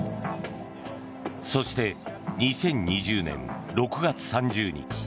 そして２０２０年６月３０日。